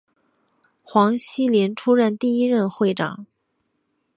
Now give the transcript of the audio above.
黄锡麟出任第一任会长。